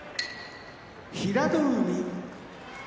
平戸海